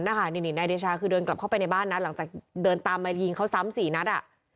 นี่นายเดชาคือเดินกลับเข้าไปในบ้านนะหลังจากเดินตามมายิงเขาซ้ำ๔นัด